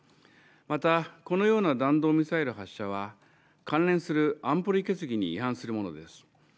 また、このような弾道ミサイル発射は関連する安保理決議に違反するものです。